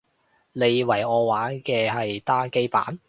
你以為我玩嘅係單機版